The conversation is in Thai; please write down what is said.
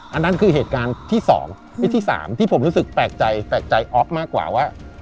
อันนั้นคือเหตุการณ์ที่๒คลิปที่๓ที่ผมรู้สึกแปลกใจแปลกใจอ๊อฟมากกว่าว่า